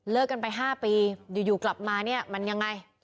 กันไป๕ปีอยู่กลับมาเนี่ยมันยังไง